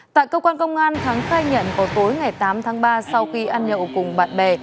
tại cơ quan công an thắng khai nhận vào tối ngày tám tháng ba sau khi ăn nhậu cùng bạn bè